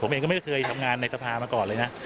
ผมเองก็ไม่ได้เคยทำงานในสภามาก่อนเลยนะ